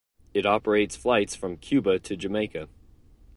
It operates flights from Cuba to Jamaica.